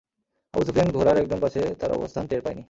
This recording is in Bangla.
আবু সুফিয়ান ঘোড়ার একদম কাছে তাঁর অবস্থান টের পায়নি।